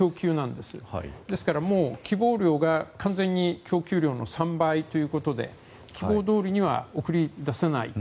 ですから希望量が完全に供給量の３倍ということで希望どおりには送り出せない。